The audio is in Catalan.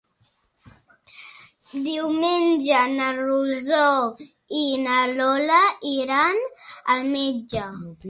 Diumenge na Rosó i na Lola iran al metge.